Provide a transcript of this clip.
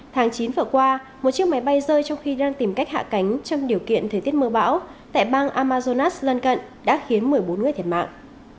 tháng chín vừa qua một chiếc máy bay rơi trong khi đang tìm cách hạ cánh trong điều kiện thời tiết mưa bão tại bang amazonas lân cận đã khiến một mươi bốn người thiệt mạng